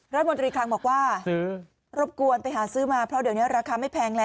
รัฐมนตรีคลังบอกว่ารบกวนไปหาซื้อมาเพราะเดี๋ยวนี้ราคาไม่แพงแล้ว